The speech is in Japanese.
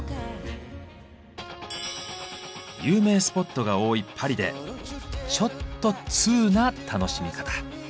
有名スポットが多いパリでちょっとツウな楽しみ方。